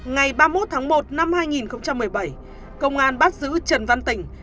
ngày ba mươi một tháng một năm hai nghìn một mươi bảy công an bắt giữ trần văn tình